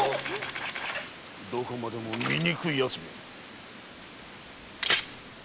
どこまでも醜い奴め！